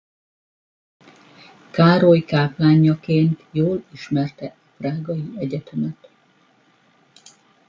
Károly káplánjaként jól ismerte a prágai egyetemet.